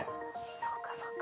そうかそうか。